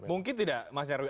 mungkin tidak mas nyarwi